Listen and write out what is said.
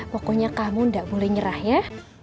pokoknya kamu tidak boleh nyerah ya